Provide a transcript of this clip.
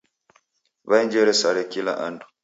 Waenjere sare kila andu.